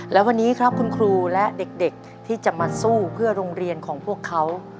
และวันนี้ครับคุณครูและเด็กที่จะมาสู้เพื่อโรงเรียนของพวกเขา